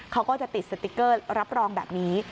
เขาก็จะติดสติ๊กเกอร์รับรองแบบนี้